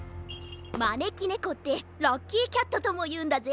まねきねこってラッキーキャットともいうんだぜ。